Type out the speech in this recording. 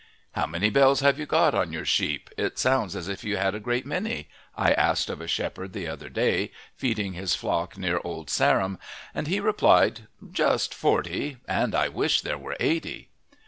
"How many bells have you got on your sheep it sounds as if you had a great many?" I asked of a shepherd the other day, feeding his flock near Old Sarum, and he replied, "Just forty, and I wish there were eighty."